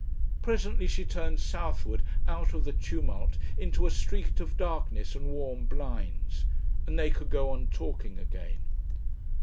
Presently she turned southward out of the tumult into a street of darkness and warm blinds, and they could go on talking again.